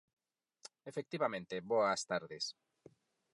Efectivamente, boas tardes.